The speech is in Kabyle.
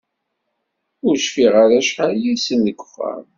Ur cfiɣ ara acḥal yid-sen deg uxxam.